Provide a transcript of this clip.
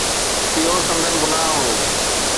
اهو سندن گناهه هو.